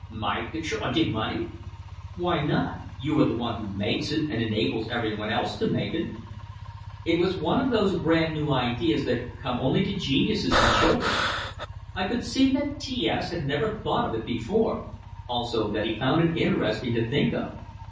"My picture on de money?" "Why not? You are the one who makes it, and enables everyone else to make it." It was one of those brand new ideas that come only to geniuses and children. I could see that T S had never thought of it before; also, that he found it interesting to think of.